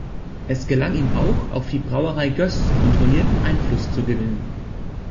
Es gelang ihm auch, auf die Brauerei Göss kontrollierenden Einfluss zu gewinnen.